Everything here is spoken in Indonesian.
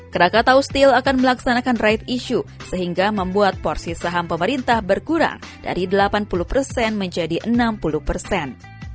krakatau steel akan melaksanakan right issue sehingga membuat porsi saham pemerintah berkurang dari delapan puluh persen menjadi enam puluh persen